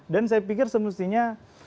dan saya pikir semestinya